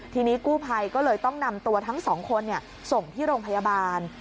ทีนี้กู้ภัยก็เลยต้องนำตัวทั้งสองคนส่งที่โรงพยาบาล